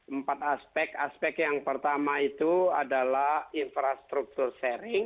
empat aspek aspek yang pertama itu adalah infrastruktur sharing